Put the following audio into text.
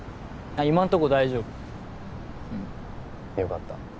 今んとこ大丈夫うんよかった